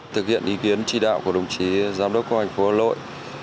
thực hiện ý kiến chỉ đạo của đồng chí giám đốc công an thành phố hà nội